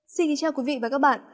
xin kính chào quý vị và các bạn